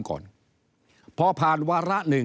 ก็จะมาจับทำเป็นพรบงบประมาณ